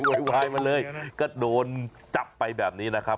วายมาเลยก็โดนจับไปแบบนี้นะครับ